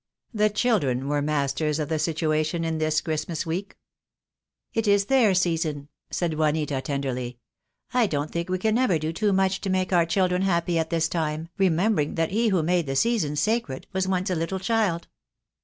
The children were masters of the situation in this Christmas week. "It is their season," said Juanita tenderly. "I don't think we can ever do too much to make our children happy at this time, remembering that He who made the season sacred was once a little child."